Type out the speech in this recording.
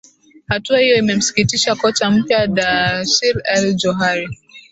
hatua hiyo imemsikitisha kocha mpya darsir ali johar